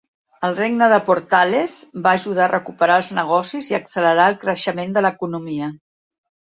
El regne de Portales va ajudar a recuperar els negocis i accelerar el creixement de l'economia.